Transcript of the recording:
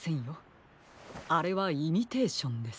あれはイミテーションです。